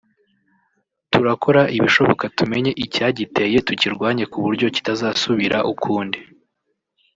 turakora ibishoboka tumenye icyagiteye tukirwanye kuburyo kitazasubira ukundi